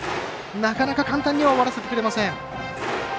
なかなか簡単には終わらせてくれません。